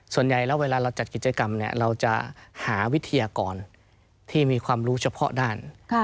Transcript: ส่วนใหญ่แล้วเวลาเราจัดกิจกรรมเราจะหาวิทยากรที่มีความรู้เฉพาะด้าน